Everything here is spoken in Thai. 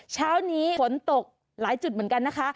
เช้านี้ฝนตกหลายจุดเหมือนกันนะคะ